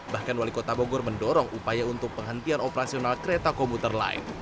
bahkan wali kota bogor mendorong upaya untuk penghentian operasional kereta komuter lain